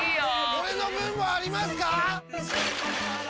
俺の分もありますか！？